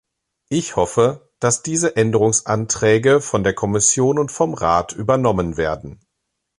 Ich hoffe, dass diese Änderungsanträge von der Kommission und vom Rat übernommen werden.